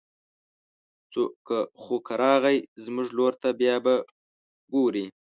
خو که راغی زموږ لور ته بيا به ګوري